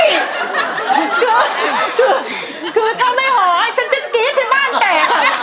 คือถ้าไม่หอฉันจะกรี๊ดให้บ้านแตก